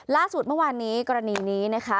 ล่าสุดเมื่อวานนี้กรณีนี้นะคะ